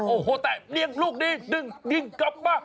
โอ้โหแต่เรียกลูกนี้ดึงกลับมา